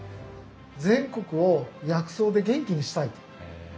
全国を薬草で元気にしたいと。